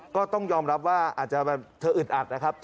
ก็ต้องยอมรับว่าอาจจะเธออึดอัดนะครับ